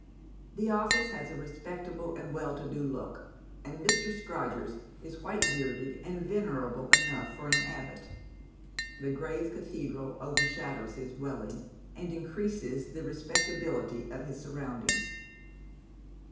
The office has a respectable and weil to do look, and Mr. Scrodgers is white bearded and venerable enough for an abbot. The grave cathedral overshadows his dwelling, and increases the respect ability of his surroundings.